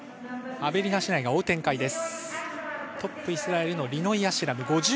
アベリナ姉妹が追う展開です。